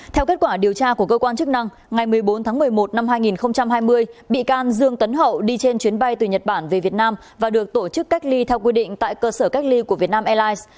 theo kết quả điều tra của cơ quan chức năng ngày một mươi bốn tháng một mươi một năm hai nghìn hai mươi bị can dương tấn hậu đi trên chuyến bay từ nhật bản về việt nam và được tổ chức cách ly theo quy định tại cơ sở cách ly của việt nam airlines